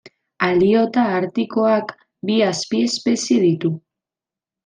Aliota artikoak bi azpiespezie ditu.